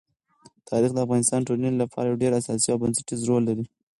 تاریخ د افغانستان د ټولنې لپاره یو ډېر اساسي او بنسټيز رول لري.